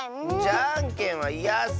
じゃんけんはいやッス！